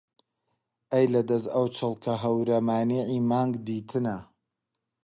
ئەی لە دەس ئەو چڵکە هەورە مانیعی مانگ دیتنە